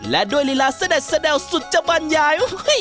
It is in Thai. และด้วยลีลาเสด็จแสดดแสดดว่าสุขจะบรรยาย